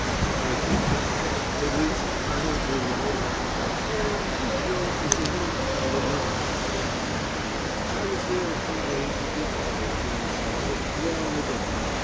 "I think not; at least, I don't remember it." "Lisieux is a little town in Normandy," she said. "I was there a few days with your father, one summer, long ago.